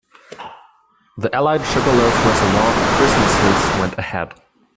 The allied Sugarloaf Reservoir at Christmas Hills went ahead.